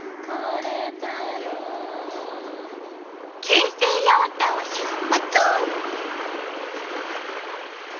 京成八幡を出発。